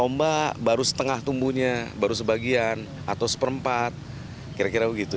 lomba baru setengah tumbuhnya baru sebagian atau seperempat kira kira begitu